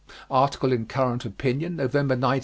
Article in Current Opinion, November, 1914.